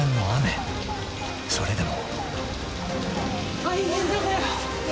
［それでも］